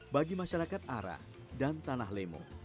bagi masyarakat ara dan tanah lemo